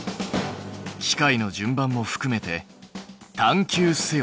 機械の順番もふくめて探究せよ！